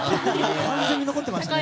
完全に残っていましたね。